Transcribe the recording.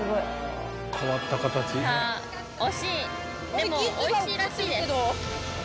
でもおいしいらしいです。